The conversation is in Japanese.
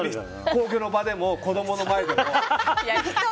公共の場でも子供の前でも。